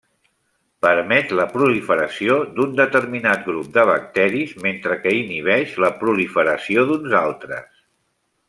Permet la proliferació d'un determinat grup de bacteris mentre que inhibeix la proliferació d'uns altres.